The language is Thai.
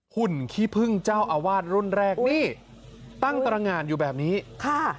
หุ่นขี้พึ่งเจ้าอาวาสรุ่นแรกนี่ตั้งตรงานอยู่แบบนี้ค่ะ